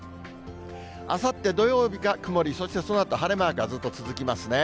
あさって土曜日が曇り、そしてそのあと晴れマークがずっと続きますね。